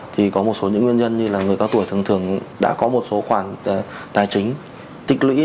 thì có một số những nguyên nhân như là người cao tuổi thường thường đã có một số khoản tài chính tích lũy